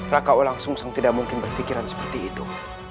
rakaulah langsung tidak mungkin berpikiran seperti itu